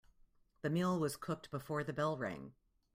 The meal was cooked before the bell rang.